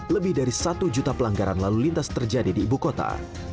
lebih dari satu juta pelanggaran lalu lintas terjadi di ibu kota